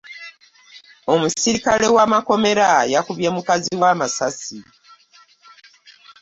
Omusirikale w'amakomera yakubye mukazi we amasasi.